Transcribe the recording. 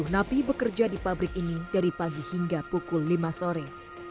sepuluh napi bekerja di pabrik ini dari pagi hingga pukul lima sore